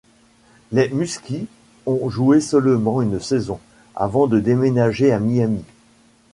Les Muskies ont joué seulement une saison, avant de déménager à Miami.